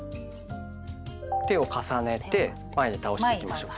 手を重ねて前に倒していきましょう。